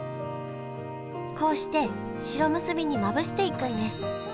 こうして白むすびにまぶしていくんです